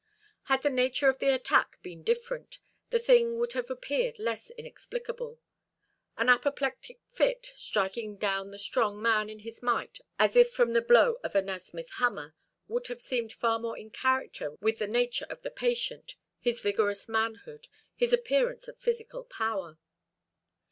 Had the nature of the attack been different, the thing would have appeared less inexplicable. An apoplectic fit striking down the strong man in his might, as if from the blow of a Nasmyth hammer, would have seemed far more in character with the nature of the patient, his vigorous manhood, his appearance of physical power.